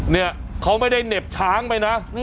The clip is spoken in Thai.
เนี่ยเขาไม่ได้เหน็บช้างไปนะ